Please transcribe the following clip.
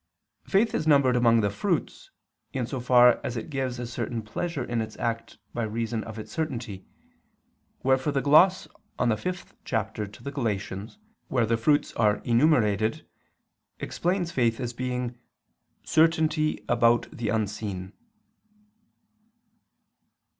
Faith is numbered among the fruits, in so far as it gives a certain pleasure in its act by reason of its certainty, wherefore the gloss on the fifth chapter to the Galatians, where the fruits are enumerated, explains faith as being "certainty about the unseen."